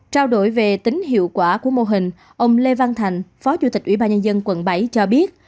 trao đổi về tính hiệu quả của mô hình ông lê văn thành phó chủ tịch ubnd quận bảy cho biết